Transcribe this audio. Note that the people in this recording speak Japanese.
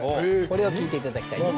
これを聴いていただきたいと。